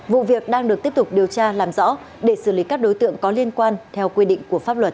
vụ việc đang được tiếp tục điều tra làm rõ để xử lý các đối tượng có liên quan theo quy định của pháp luật